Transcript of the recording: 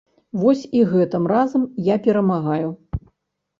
Вось і гэтым разам я перамагаю.